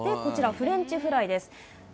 フレンチフライ